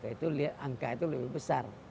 itu lihat angka itu lebih besar